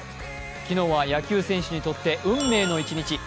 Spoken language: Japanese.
昨日は野球選手にとって運命の一日。